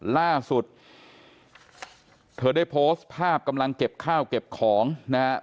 ล่าสุดเธอได้โพสต์ภาพกำลังเก็บข้าวเก็บของนะครับ